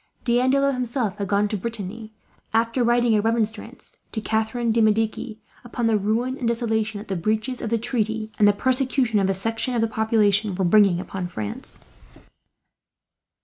D'Andelot himself had gone to Brittany, after writing a remonstrance to Catharine de Medici upon the ruin and desolation that the breaches of the treaty, and the persecution of a section of the population, were bringing upon France.